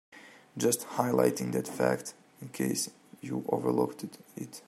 Just highlighting that fact in case you overlooked it.